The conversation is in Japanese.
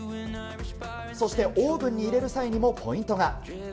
そしてオーブンに入れる際にもポイントが。